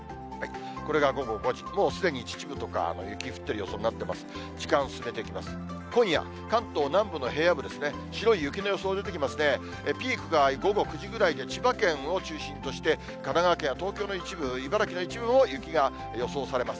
これが午後５時、もうすでに秩父とか、雪降ってる予想になっています。